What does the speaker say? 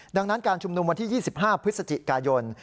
ดังนั้นการชุมนุมวันที่๒๕พฤศจิกายน